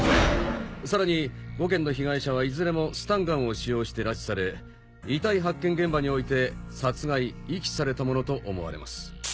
さらに５件の被害者はいずれもスタンガンを使用して拉致され遺体発見現場において殺害遺棄されたものと思われます。